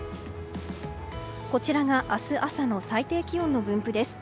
こちらが明日朝の最低気温の分布です。